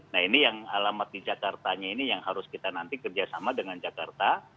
nah ini yang alamat di jakartanya ini yang harus kita nanti kerjasama dengan jakarta